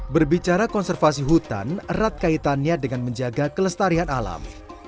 berbicara konservasi hutan erat kaitannya dengan menjaga kelestarian alam